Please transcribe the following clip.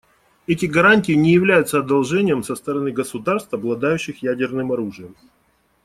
Эти гарантии не являются одолжением со стороны государств, обладающих ядерным оружием.